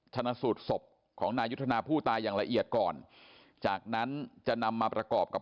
ชนะสูตรศพของนายุทธนาผู้ตายอย่างละเอียดก่อนจากนั้นจะนำมาประกอบกับ